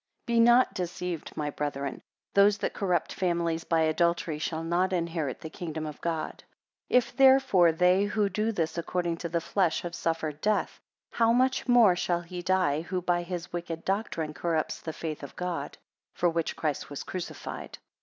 BE not deceived, my brethren: those that corrupt families by adultery, shall not inherit the kingdom of God. 2 If therefore they who do this according to the flesh, have suffered death; how much more shall he die, who by his wicked doctrine corrupts the faith of God, for which Christ was crucified?